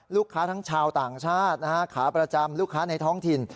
ทั้งชาวต่างชาติขาประจำลูกค้าในท้องถิ่น